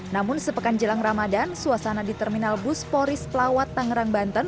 namun sepekan jelang ramadan suasana di terminal bus polis pelawat tangerang banten